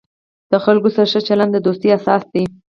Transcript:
د خلکو سره ښه چلند، د دوستۍ اساس دی.